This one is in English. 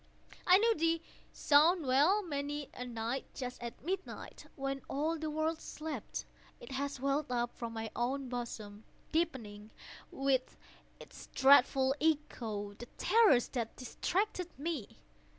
I knew the sound well. Many a night, just at midnight, when all the world slept, it has welled up from my own bosom, deepening, with its dreadful echo, the terrors that distracted me.